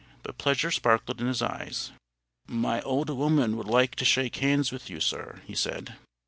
But pleasure sparkled in his eyes. "My old woman would like to shake hands with you, sir," he said.